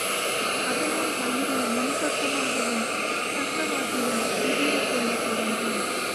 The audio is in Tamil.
அதனால் வயிறு முன்பக்கமாகவும், பக்கவாட்டிலும் பிதுங்கிக் கொள்ளத் தொடங்கும்.